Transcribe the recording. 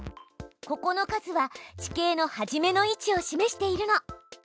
ここの数は地形の初めの位置を示しているの。